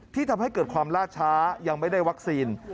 ทำให้เกิดความล่าช้ายังไม่ได้วัคซีน